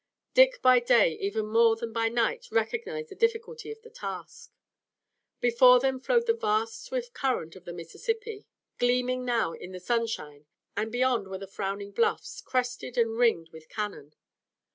Dick by day even more than by night recognized the difficulty of the task. Before them flowed the vast swift current of the Mississippi, gleaming now in the sunshine, and beyond were the frowning bluffs, crested and ringed with cannon.